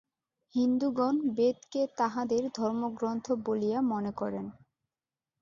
হিন্দুগণ বেদকে তাঁহাদের ধর্মগ্রন্থ বলিয়া মনে করেন।